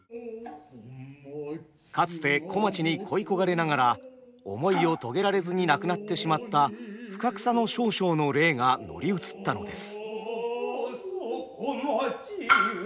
かつて小町に恋い焦がれながら思いを遂げられずに亡くなってしまった深草少将の霊が乗り移ったのです。